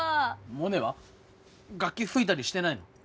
モネは楽器吹いたりしてないの？